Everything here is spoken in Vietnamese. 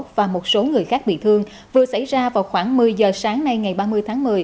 và một số người khác bị thương vừa xảy ra vào khoảng một mươi giờ sáng nay ngày ba mươi tháng một mươi